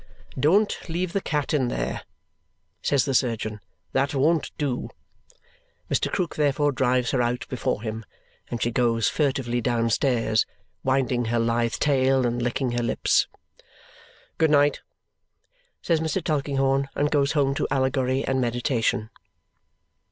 "Don't leave the cat there!" says the surgeon; "that won't do!" Mr. Krook therefore drives her out before him, and she goes furtively downstairs, winding her lithe tail and licking her lips. "Good night!" says Mr. Tulkinghorn, and goes home to Allegory and meditation.